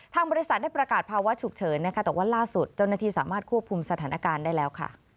บริษัทได้ประกาศภาวะฉุกเฉินนะคะแต่ว่าล่าสุดเจ้าหน้าที่สามารถควบคุมสถานการณ์ได้แล้วค่ะ